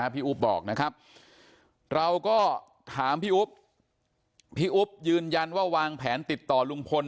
พี่อุ๊บบอกนะครับเราก็ถามพี่อุ๊บพี่อุ๊บยืนยันว่าวางแผนติดต่อลุงพล